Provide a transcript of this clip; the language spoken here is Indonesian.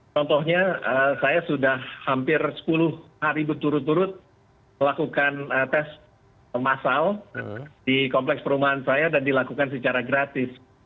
contohnya saya sudah hampir sepuluh hari berturut turut melakukan tes masal di kompleks perumahan saya dan dilakukan secara gratis